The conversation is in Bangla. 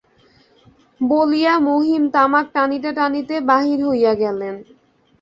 বলিয়া মহিম তামাক টানিতে টানিতে বাহির হইয়া গেলেন।